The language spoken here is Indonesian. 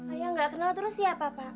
ayah nggak kenal terus siapa pak